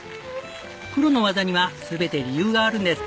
プロの技には全て理由があるんです。